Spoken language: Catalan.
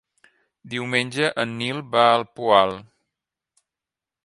Diumenge en Nil va al Poal.